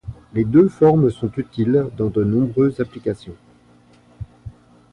Les deux formes sont utiles dans de nombreuses applications.